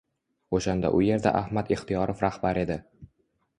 O’shanda u yerda Ahmad Ixtiyorov rahbar edi.